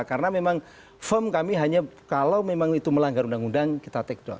karena memang firm kami hanya kalau memang itu melanggar undang undang kita take down